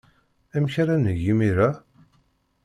Amek ara neg imir-a?